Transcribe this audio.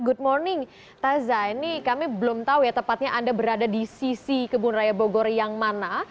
good morning taza ini kami belum tahu ya tepatnya anda berada di sisi kebun raya bogor yang mana